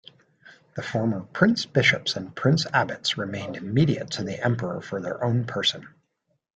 The former prince-bishops and prince-abbots remained immediate to the emperor for their own person.